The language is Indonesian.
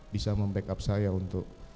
bisa membackup saya untuk